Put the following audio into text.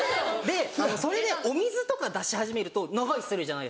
お水とか出し始めると長居するじゃないですか。